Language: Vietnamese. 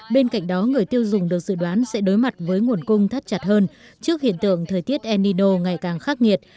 bên cạnh đó người tiêu dùng được dự đoán sẽ đối mặt với nguồn cung thắt chặt hơn trước hiện tượng thời tiết el nino ngày càng khắc nghiệt